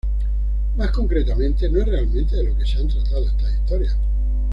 Más concretamente, no es realmente de lo que se han tratado estas historias.